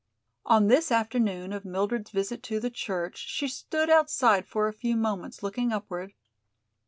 On this afternoon of Mildred's visit to the church she stood outside for a few moments looking upward.